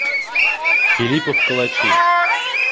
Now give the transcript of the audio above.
Филиппов, калачи.